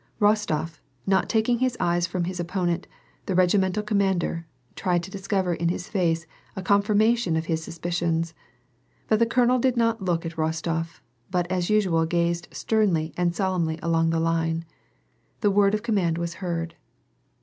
Rostof, not taking his eyes from his opponent, the regimental commander, tried to discover in his face a confirmation of his suspicions ; but the colonel did not once look at Rostof, but as usual gazed sternly and solemnly along the line. The word of command was heard.